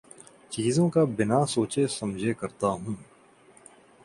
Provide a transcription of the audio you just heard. چیزوں کا بنا سوچے سمجھے کرتا ہوں